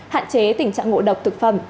hạn chế tình trạng ngộ độc thực phẩm